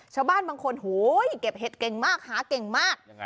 ชาวบ้านบางคนโหยเก็บเห็ดเก่งมากหาเก่งมาก